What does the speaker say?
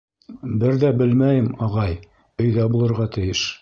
— Бер ҙә белмәйем, ағай, өйҙә булырға тейеш.